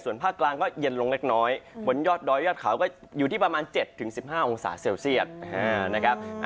ส่วนภาคกลางก็เย็นลงเล็กน้อยบนยอดดอยยอดเขาก็อยู่ที่ประมาณ๗๑๕องศาเซลเซียตนะครับ